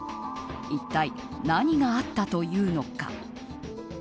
一体何があったというのか。